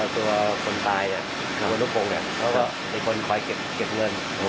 ตัวคนตายเนี่ยคนอุปกรณ์เนี่ยเขาก็มีคนไปเก็บเงิน